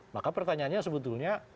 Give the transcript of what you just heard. maka pertanyaannya sebetulnya